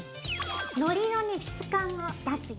のりのね質感を出すよ。